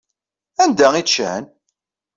Anda ay ččan?